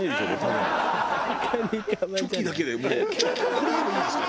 これでもいいんですか？